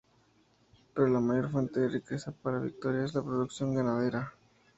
Pero la mayor fuente de riqueza para Victorica es la producción ganadera.